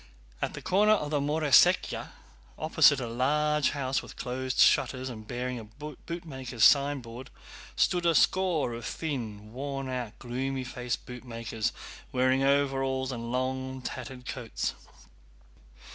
At the corner of the Moroséyka, opposite a large house with closed shutters and bearing a bootmaker's signboard, stood a score of thin, worn out, gloomy faced bootmakers, wearing overalls and long tattered coats.